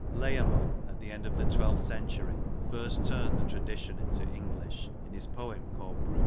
Layamon at the end of the twelfth century first turned the tradition into English in his poem called Brut.